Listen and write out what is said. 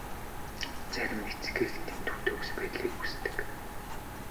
Зарим эцэг эх дэндүү төгс байдлыг хүсдэг.